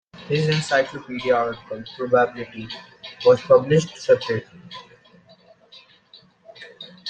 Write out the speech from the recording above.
His "Encyclopaedia" article, "Probability", was published separately.